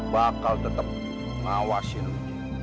bakal tetep ngawasin lo ji